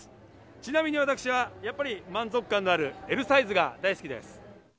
ちなみに私は満足感があるＬサイズが大好きです。